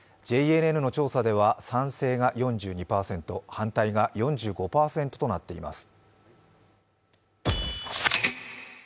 ＪＮＮの調査では賛成が４２％、反対が４５％となっています。